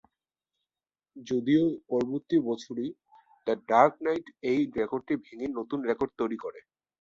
যদিও পরবর্তী বছরেই "দ্য ডার্ক নাইট" এই রেকর্ডটি ভেঙে নতুন রেকর্ড তৈরি করে।